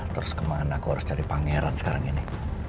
terus kemana aku harus cari pangeran sekarang ini